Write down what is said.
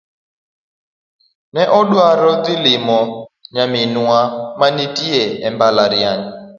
Ne adwaro dhi limo nyaminwa ma nitie e mabalariany